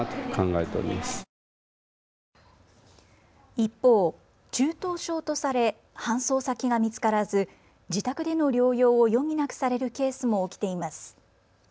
一方、中等症とされ搬送先が見つからず自宅での療養を余儀なくされるケースも起きています。